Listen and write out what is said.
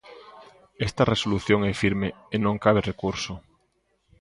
Esta resolución é firme e non cabe recurso.